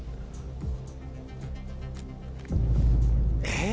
え！